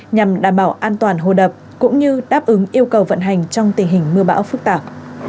nhằm đảm bảo an toàn hồ đập cũng như đáp ứng yêu cầu vận hành trong tình hình mưa bão phức tạp